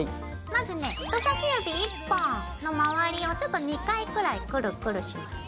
まずね人さし指１本の回りをちょっと２回くらいクルクルします。